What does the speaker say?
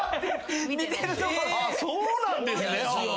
あっそうなんですね。